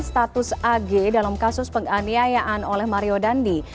status ag dalam kasus penganiayaan oleh mario dandi